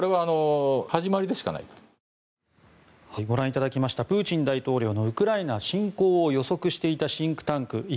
ご覧いただきましたプーチン大統領のウクライナ侵攻を予測していたシンクタンク